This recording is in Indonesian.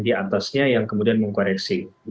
diatasnya yang kemudian mengkoreksi